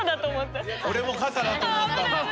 俺も傘だと思ったもん。